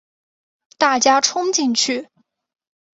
大家冲进去